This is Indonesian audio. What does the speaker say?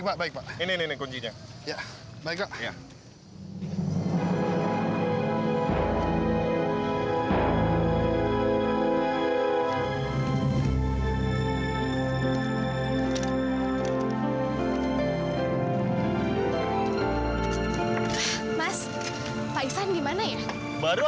ada berita buruk bu